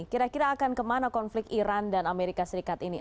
kira kira akan kemana konflik iran dan amerika serikat ini